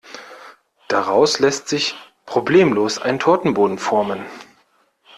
Daraus lässt sich problemlos ein Tortenboden formen.